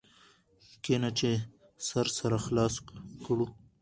کښېنه چي سر سره خلاص کړ.